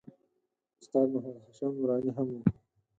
استاد محمد هاشم نوراني هم و.